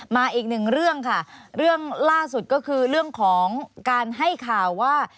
มาอีกหนึ่งเรื่องค่ะเรื่องล่าสุดก็คือเรื่องของการให้ข่าวว่า